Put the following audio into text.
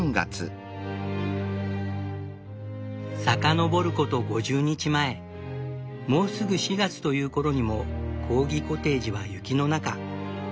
遡ること５０日前もうすぐ４月という頃にもコーギコテージは雪の中。